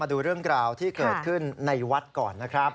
ดูเรื่องราวที่เกิดขึ้นในวัดก่อนนะครับ